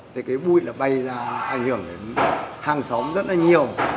thì cái bụi là bay ra ảnh hưởng đến hàng xóm rất là nhiều